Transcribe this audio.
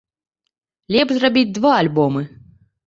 Лепш зрабіць два альбомы.